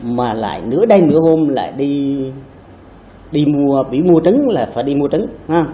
mà lại nửa đêm nửa hôm lại bị mua trứng là phải đi mua trứng